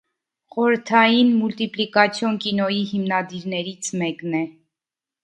Խորհրդային մուլտիպլիկացիոն կինոյի հիմնադիրներից մեկն է։